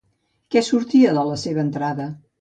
Que sortia de la seva entrada?